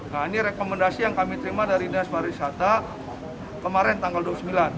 nah ini rekomendasi yang kami terima dari dinas pariwisata kemarin tanggal dua puluh sembilan